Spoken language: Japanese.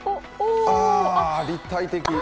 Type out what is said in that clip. あ、立体的。